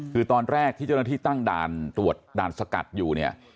คือตอนแรกที่เจ้าหน้าที่ตั้งด่านตรวจด่านสกัดอยู่เนี่ย